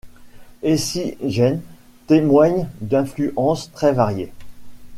Essie Jain témoigne d'influences très variées.